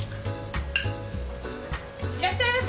いらっしゃいませ。